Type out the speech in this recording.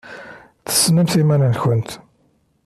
Tessnemt iman-nkent.